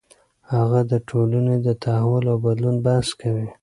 هغه د ټولنې د تحول او بدلون بحث کوي.